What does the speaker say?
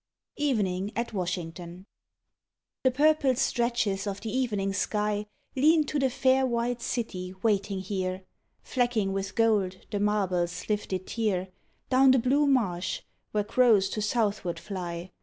EVENING AT WASHINGTON The purple stretches of the evening sky Lean to the fair white city waiting here, Flecking with gold the marble's lifted tier, Down the blue marsh where crows to Southward fly.